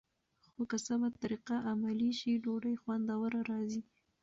خو که سمه طریقه عملي شي، ډوډۍ خوندوره راځي.